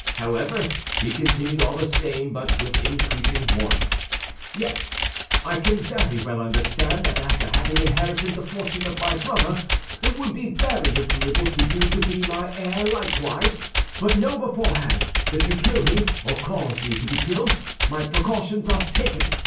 However, he continued all the same, but with increasing warmth: "Yes, I can very well understand that after having inherited the fortune of my brother it would be very agreeable to you to be my heir likewise; but know beforehand, if you kill me or cause me to be killed, my precautions are taken.